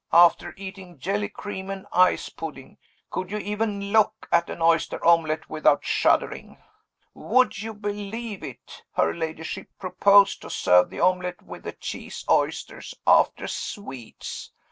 After eating jelly, cream, and ice pudding, could you even look at an oyster omelet without shuddering? Would you believe it? Her ladyship proposed to serve the omelet with the cheese. Oysters, after sweets!